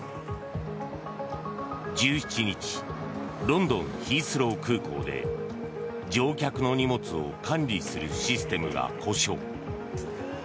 １７日ロンドン・ヒースロー空港で乗客の荷物を管理するシステムが故障。